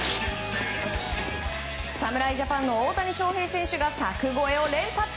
侍ジャパンの大谷翔平選手が柵越えを連発。